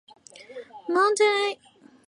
芒泰埃。